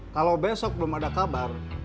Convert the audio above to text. kalau besok belum ada kabar